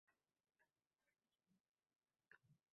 So’ldi butun ishqim bog’lari